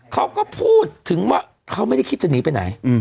เขาก็พูดถึงว่าเขาไม่ได้คิดจะหนีไปไหน